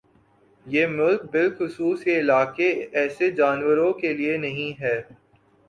یہ ملک بلخصوص یہ علاقہ ایسے جانوروں کے لیے نہیں ہے